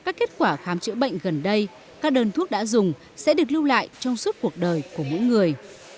các kết quả khám chữa bệnh gần đây các đơn thuốc đã dùng sẽ được lưu lại trong suốt cuộc đời của mỗi người